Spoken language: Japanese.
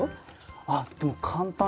あっでも簡単に。